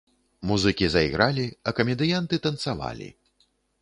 Музыкі зайгралі, а камедыянты танцавалі.